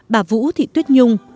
bà vũ thị tuyết nhung